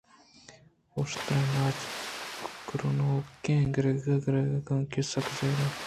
اُشتر ءُ ناچ کرٛانکوکیں گُراگ گُراگےءَ کانگی ئِے ءَ سکّ زہر اتک